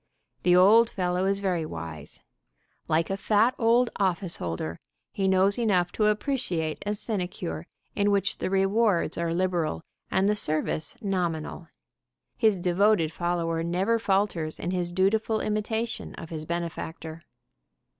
The old fellow is very wise. Like a fat old office holder, he knows enough to appreciate a sinecure in which the rewards are liberal and the service nominal. His devoted follower never falters in his dutiful imitation of his benefactor.